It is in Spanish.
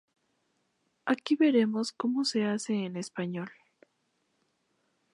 Aquí veremos cómo se hace en español.